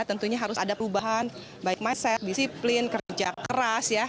tentunya harus ada perubahan baik mindset disiplin kerja keras ya